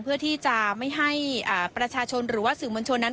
เพื่อที่จะไม่ให้ประชาชนหรือว่าสื่อมวลชนนั้น